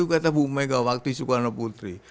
kayu kata bu mega waktu sukarno putri